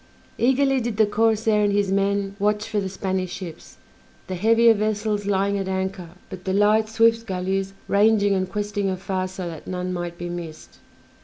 Eagerly did the corsair and his men watch for the Spanish ships, the heavier vessels lying at anchor, but the light, swift galleys ranging and questing afar so that none might be missed.